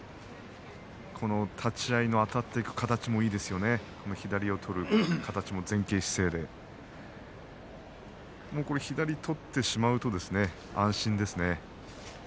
立ち合いのあたっていく形がいいです、左を取る形ですね、前傾姿勢左を取ってしまうと安心ですね。